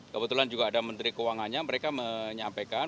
kebetulan juga ada menteri keuangannya mereka menyampaikan